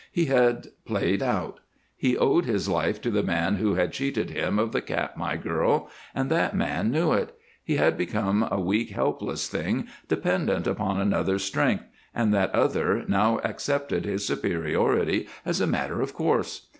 He had played out. He owed his life to the man who had cheated him of the Katmai girl, and that man knew it. He had become a weak, helpless thing, dependent upon another's strength, and that other now accepted his superiority as a matter of course.